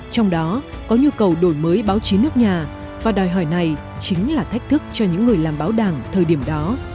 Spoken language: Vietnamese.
trong đó có nhu cầu đổi mới báo chí nước nhà và đòi hỏi này chính là thách thức cho những người làm báo đảng thời điểm đó